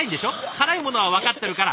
辛いものは分かってるから。